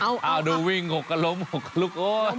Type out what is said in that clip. เอาวิ่งหกกระลบหกกะลุก